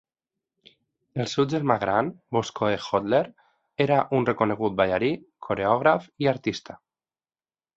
El seu germà gran Boscoe Holder era un reconegut ballarí, coreògraf i artista.